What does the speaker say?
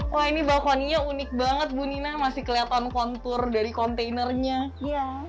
wah ini balkoninya unik banget bu nina masih kelihatan kontur dari kontainernya